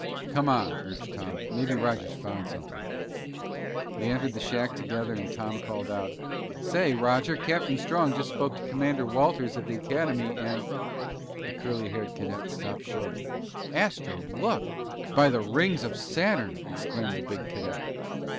"Come on," urged Tom. "Maybe Roger's found something." They entered the shack together and Tom called out, "Say, Roger, Captain Strong just spoke to Commander Walters at the Academy and " The curly haired cadet stopped short. "Astro, look!" "By the rings of Saturn!" exclaimed the big cadet.